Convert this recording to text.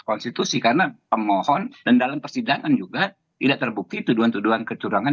konstitusi karena pemohon dan dalam persidangan juga tidak terbukti tuduhan tuduhan kecurangan